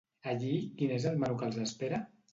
Allí quin és el menú que els espera?